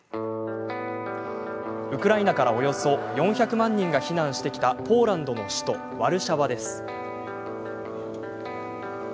ウクライナからおよそ４００万人が避難してきたポーランドの首都ワルシャワです。